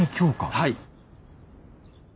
はい。